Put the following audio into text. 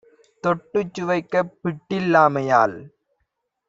தொட்டுச் சுவைக்கப் பிட்டில் லாமையால்